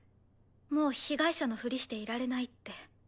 もう被害者のふりしていられないって。